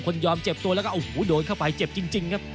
ยอมเจ็บตัวแล้วก็โอ้โหโดนเข้าไปเจ็บจริงครับ